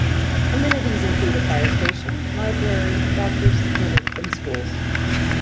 Amenities include a fire station, library, doctor's clinic and schools.